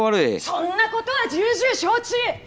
そんなことは重々承知！